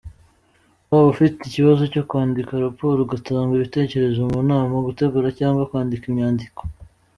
Waba ufite ikibazo cyo kwandika raporo, gutanga ibitekerezo mu nama, gutegura cyangwa kwandika imyandiko .